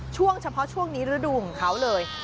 ช่วงเฉพาะช่วงนี้ฤดูของเขาเลย